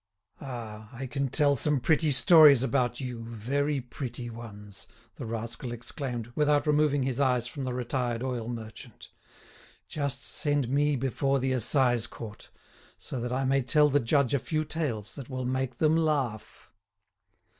"Ah! I can tell some pretty stories about you, very pretty ones!" the rascal exclaimed, without removing his eyes from the retired oil merchant. "Just send me before the Assize Court, so that I may tell the judge a few tales that will make them laugh."